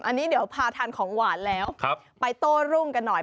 อันนี้เดี๋ยวพาทานของหวานแล้วไปโต้รุ่งกันหน่อย